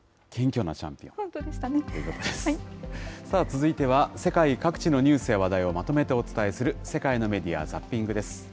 さあ続いては、世界各地のニュースや話題をまとめてお伝えする世界のメディア・ザッピングです。